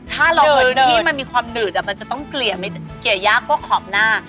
ถ้าเราพื้นที่มันมีความหืดมันจะต้องเกลี่ยยากพวกขอบหน้า